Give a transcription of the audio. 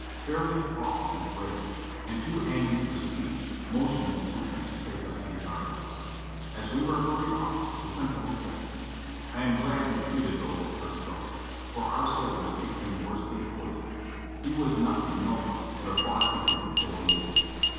fairly frothed with rage, and too angry for speech motioned the sentry to take us to the guard house. x \s we were hurried off the sentinel said : "I am glad you treated the little aiss so; for our soldiers hate him worse than poison. He was nothing, nohow, but a bar keeper before the war."